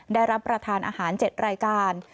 ได้รับประทานอาหาร๗รายการ